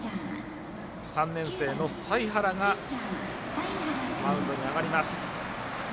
３年生の財原がマウンドに上がります。